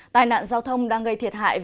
tai nạn giao thông đang gây thiệt hại